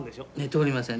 通りません。